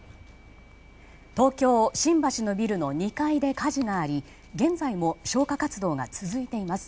東京・新橋のビルの２階で火事があり現在も消火活動が続いています。